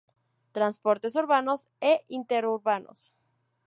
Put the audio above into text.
Transportes urbanos e interurbanos.